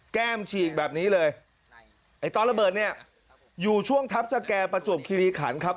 ฉีกแบบนี้เลยไอ้ตอนระเบิดเนี่ยอยู่ช่วงทัพสแก่ประจวบคิริขันครับ